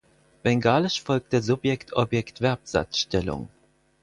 Bengalisch folgt der Subjekt-Objekt-Verb-Satzstellung.